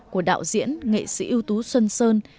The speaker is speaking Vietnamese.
của đạo diễn nghệ sĩ ưu tú xuân sơn